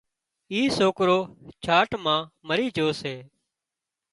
ايڪ سوڪرو ڇاٽ مان مري جھو سي